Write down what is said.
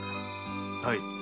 はい。